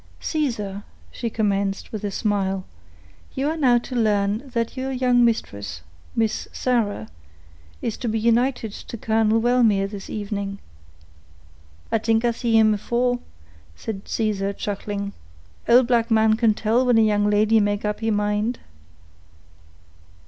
"Caesar," she commenced, with a smile, "you are now to learn that your young mistress, Miss Sarah, is to be united to Colonel Wellmere this evening." "I t'ink I see him afore," said Caesar, chuckling. "Old black man can tell when a young lady make up he mind."